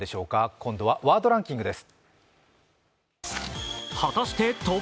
今度はワードランキングです。